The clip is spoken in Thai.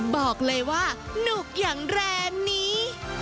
บอกเลยว่านุกอย่างแรงนี้